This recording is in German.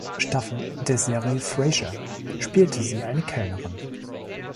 Staffel der Serie "Frasier" spielte sie eine Kellnerin.